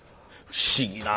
不思議な。